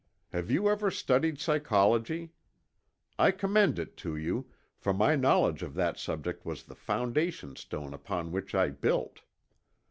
Have you ever studied psychology? I commend it to you, for my knowledge of that subject was the foundation stone upon which I built.